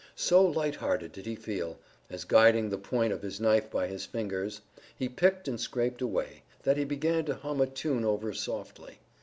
So light hearted did he feel, as guiding the point of his knife by his fingers, he picked and scraped away, that he began to hum a tune over softly.